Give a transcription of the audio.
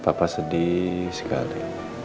papa sedih sekali